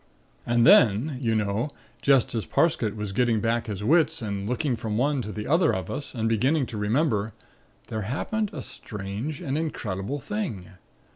"And then, you know, just as Parsket was getting back his wits and looking from one to the other of us and beginning to remember, there happened a strange and incredible thing.